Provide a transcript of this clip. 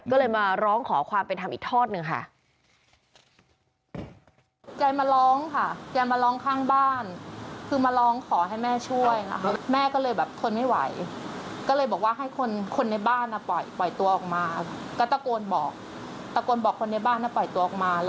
ก็เลยมาร้องขอความเป็นธรรมอีกทอดหนึ่งค่ะ